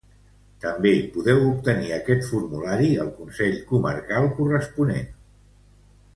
També podeu obtenir aquest formulari al Consell comarcal corresponent.